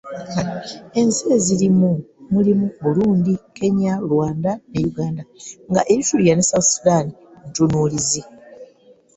Ensi ezirimu mulimu Burundi, Kenya, Rwanda ne Uganda nga Eritrea ne South Sudan ntunuulizi.